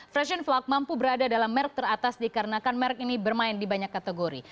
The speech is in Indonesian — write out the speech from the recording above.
freshen flak mampu berada dalam merk teratas dikarenakan merk ini bermain di banyak kategori